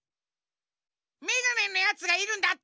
メガネのやつがいるんだって！